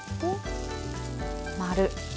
丸。